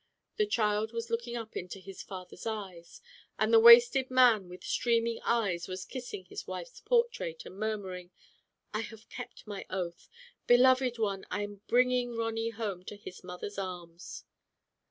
The child was looking up into his father's eyes, and the wasted man with Digitized by Google CLEMENT SCOTT. 23 1 streaming eyes was kissing his wife's portrait, and murmuring, "I have kept my oath. Beloved one, Tm bringing Ronny home to his mother's arms."